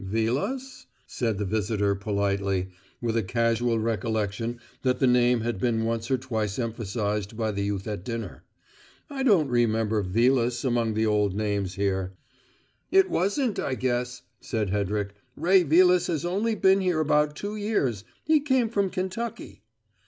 "Vilas?" said the visitor politely, with a casual recollection that the name had been once or twice emphasized by the youth at dinner. "I don't remember Vilas among the old names here." "It wasn't, I guess," said Hedrick. "Ray Vilas has only been here about two years. He came from Kentucky."